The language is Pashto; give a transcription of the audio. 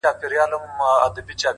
نه يوه بل ته په زور تسليمېدله!.